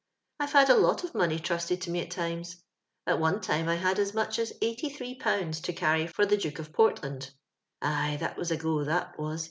I've had a lot of money trusted to me at times. At one time I had as much as 83/. to caiTy for tlio Duke of Portland. " Aye, that was a go — that was